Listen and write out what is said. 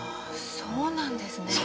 そうなんですね。